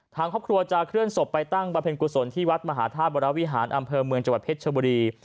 ทางครอบครัวจะเคลื่อนศพไปตั้งบำเพ็ญกุศลที่วัดมหาธาตุวรวิหารอำเภอเมืองจังหวัดเพชรชบุรี